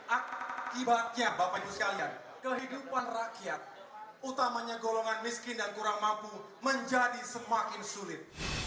akibatnya bapak ibu sekalian kehidupan rakyat utamanya golongan miskin dan kurang mampu menjadi semakin sulit